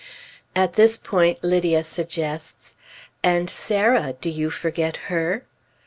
At this point, Lydia suggests, "And Sarah, do you forget her?"